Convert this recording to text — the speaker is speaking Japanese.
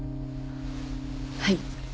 はい。